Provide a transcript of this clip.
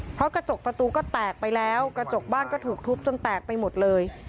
เพราะกระจกประตูก็แตกไปแล้วกระจกบ้านก็ถูกทุบจนแตกไปหมดเลย